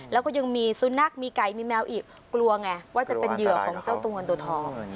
แล้วก็ยังมีสุนัขมีไก่มีแมวอีกกลัวไงว่าจะเป็นเหยื่อของเจ้าตัวเงินตัวทอง